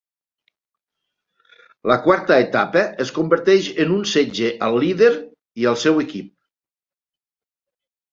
La quarta etapa es converteix en un setge al líder i al seu equip.